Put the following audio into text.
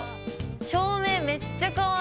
照明めっちゃかわいい。